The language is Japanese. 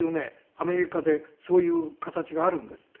アメリカでそういう形があるんですって。